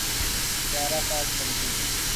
طیارہ ساز کمپنی